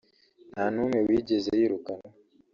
nta n’umwe wigeze yirukanwa